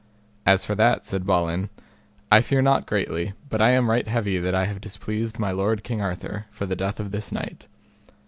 As for that, said Balin, I fear not greatly, but I am right heavy that I have displeased my lord King Arthur, for the death of this knight.